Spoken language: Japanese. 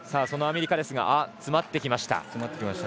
そのアメリカですが詰まってきました。